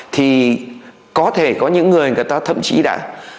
thì có thể có những người người ta thậm chí đã